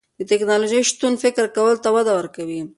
د تکنالوژۍ شتون فکر کولو ته وده ورکوي.